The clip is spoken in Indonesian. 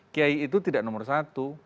kiai itu tidak nomor satu